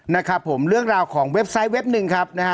นะครับผมเรื่องราวของเว็บไซต์เว็บหนึ่งครับนะฮะ